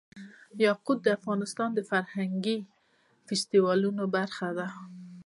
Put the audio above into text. یاقوت د افغانستان د فرهنګي فستیوالونو برخه ده.